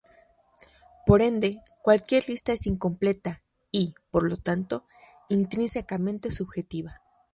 Por ende, cualquier lista es incompleta y, por lo tanto, intrínsecamente subjetiva.